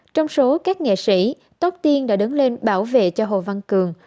trong số các nghệ sĩ tốt tiên đã đứng lên bảo vệ cho hồ văn cường